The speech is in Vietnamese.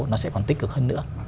nó sẽ còn tích cực hơn nữa